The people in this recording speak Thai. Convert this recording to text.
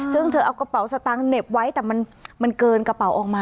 ซึ่งเธอเอากระเป๋าสตางค์เหน็บไว้แต่มันเกินกระเป๋าออกมา